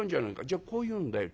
じゃあこう言うんだよ。